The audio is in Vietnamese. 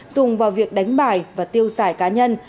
dùng vào việc đánh bài và tiêu xài cá nhân